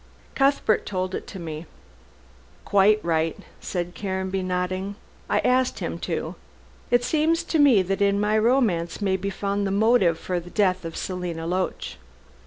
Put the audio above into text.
"Cuthbert told it to me." "Quite right," said Caranby, nodding, "I asked him to. It seems to me that in my romance may be found the motive for the death of Selina Loach."